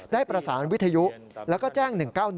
ได้ประสานวิทยุแล้วก็แจ้ง๑๙๑